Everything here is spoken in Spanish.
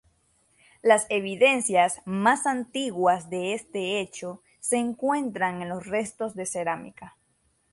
Las evidencias más antiguas de este hecho se encuentran en los restos de cerámica.